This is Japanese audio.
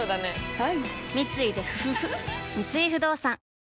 はい。